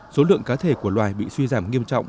số lượng cá thể của loài bị suy giảm